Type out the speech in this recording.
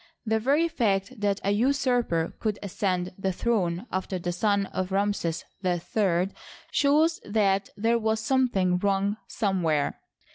The very fact that a usurper could ascend the throne after the son of Ramses III shows that there was something wrong somewhere.